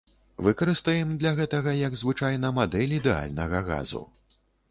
Выкарыстаем для гэтага, як звычайна, мадэль ідэальнага газу.